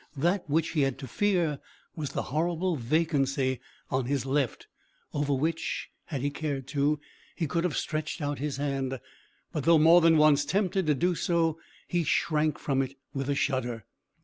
That which he had to fear was the horrible vacancy on his left, over which, had he cared to, he could have stretched out his hand; but though more than once tempted to do so, he shrank from it with a shudder.